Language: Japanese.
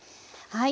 はい。